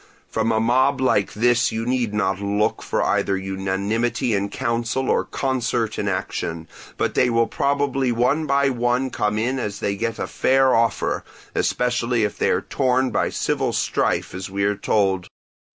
From a mob like this you need not look for either unanimity in counsel or concert in action; but they will probably one by one come in as they get a fair offer, especially if they are torn by civil strife as we are told.